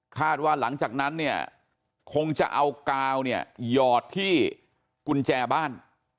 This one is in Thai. ขาดว่าหลังจากนั้นเนี่ยคงจะเอากาลยอดที่กุญแจบ้าน